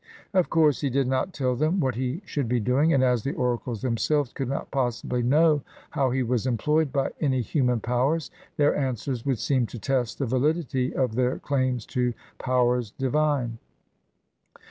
Of course he did not tell them what he should be doing ; and as the oracles them selves could not possibly know how he was employed by any hirnian powers, their answers would seem to test the validity of their claims to powers di\dne.